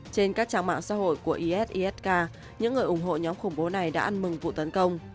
trên các trang mạng xã hội của esk những người ủng hộ nhóm khủng bố này đã ăn mừng vụ tấn công